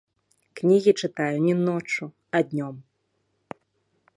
Кнігі чытаю не ноччу, а днём!